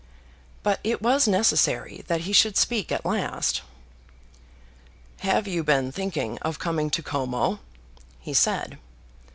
But it was necessary that he should speak at last. "Have you been thinking of coming to Como?" he said.